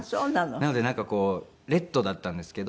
なのでなんかこうレッドだったんですけど。